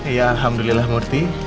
iya alhamdulillah murti